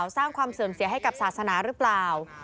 สร้างความเสื่อมเสียให้กับศาสนาหรือเปล่า